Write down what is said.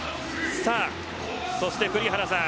そして栗原さん